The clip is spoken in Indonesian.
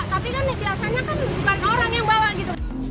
tapi kan biasanya kan bukan orang yang bawa gitu